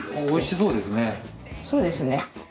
そうですね。